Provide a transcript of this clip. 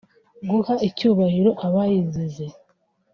guha icyubahiro abayizize